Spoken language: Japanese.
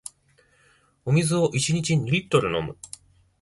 お水を一日二リットル飲む